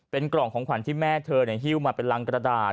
เป็นกล่องของขวัญที่แม่เธอฮิ้วมาเป็นรังกระดาษ